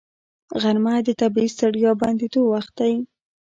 غرمه د طبیعي ستړیا بندېدو وخت دی